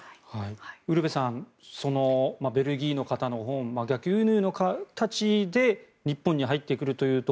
ウルヴェさんベルギーの方の本逆輸入の形で日本に入ってくるというと